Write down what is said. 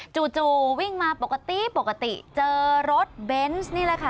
จู่วิ่งมาปกติปกติเจอรถเบนส์นี่แหละค่ะ